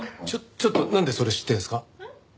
ちょちょっとなんでそれ知ってるんですか？